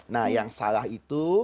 nah yang salah itu